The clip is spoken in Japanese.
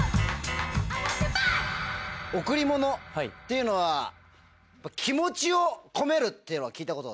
贈り物っていうのは気持ちを込めるっていうのは聞いたこと○△□×☆